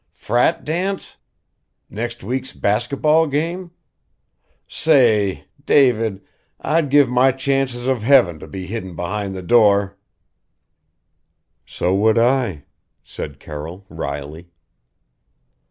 Frat dance? Next week's basketball game? Sa a ay! David I'd give my chances of Heaven to be hidden behind the door." "So would I," said Carroll wryly.